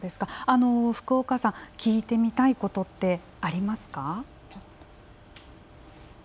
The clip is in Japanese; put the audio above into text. あの福岡さん聞いてみたいことってありますか？